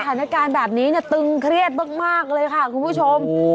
สถานการณ์แบบนี้เนี่ยตึงเครียดมากเลยค่ะคุณผู้ชม